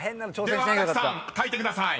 ［新木さん書いてください］